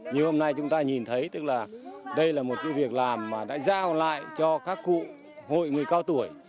như hôm nay chúng ta nhìn thấy tức là đây là một việc làm mà đã giao lại cho các cụ hội người cao tuổi